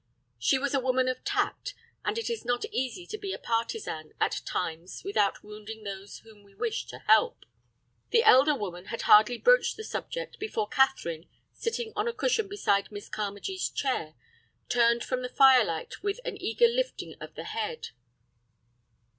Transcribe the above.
She was a woman of tact, and it is not easy to be a partisan at times without wounding those whom we wish to help. The elder woman had hardly broached the subject, before Catherine, sitting on a cushion beside Miss Carmagee's chair, turned from the fire light with an eager lifting of the head.